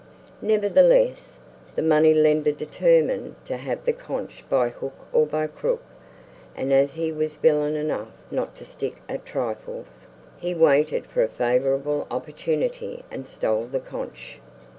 Nevertheless, the money lender determined to have the conch by hook or by crook, and as he was villain enough not to stick at trifles, he waited for a favorable opportunity and stole the conch.